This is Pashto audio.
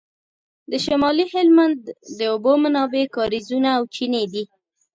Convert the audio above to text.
د شمالي هلمند د اوبو منابع کاریزونه او چینې دي